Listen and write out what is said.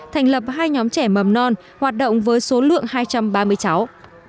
thành lập hai nhóm trẻ mầm non hoạt động với số lượng hai trăm ba mươi cháu